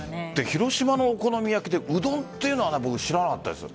広島のお好み焼きでうどんというのは知らなかった。